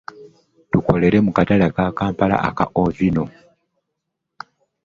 Tukolera Kampala mu katale aka Ovino.